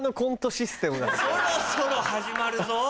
そろそろ始まるぞ。